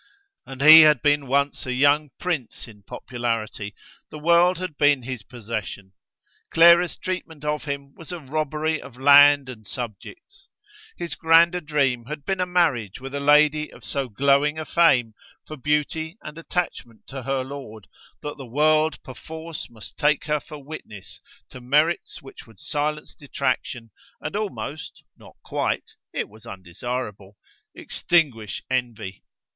And he had been once a young prince in popularity: the world had been his possession. Clara's treatment of him was a robbery of land and subjects. His grander dream had been a marriage with a lady of so glowing a fame for beauty and attachment to her lord that the world perforce must take her for witness to merits which would silence detraction and almost, not quite (it was undesireable), extinguish envy.